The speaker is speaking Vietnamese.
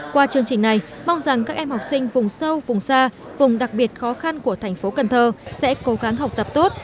qua chương trình này mong rằng các em học sinh vùng sâu vùng xa vùng đặc biệt khó khăn của thành phố cần thơ sẽ cố gắng học tập tốt